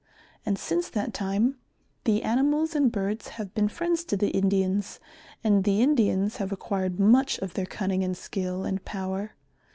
And since that time, the animals and birds have been friends to the Indians, and the Indians have acquired much of their cunning and skill and power.